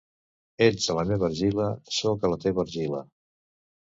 Ets a la meva argila, sóc a la teva argila.